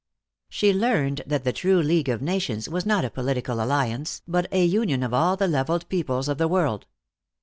She learned that the true League of Nations was not a political alliance, but a union of all the leveled peoples of the world.